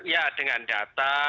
ya dengan data